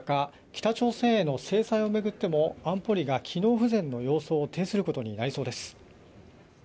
北朝鮮への制裁を巡っても安保理が機能不全の様相を呈することになりそうです。